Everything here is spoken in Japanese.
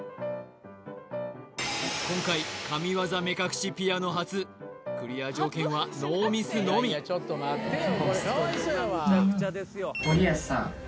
今回神業目隠しピアノ初クリア条件はノーミスのみ森保さん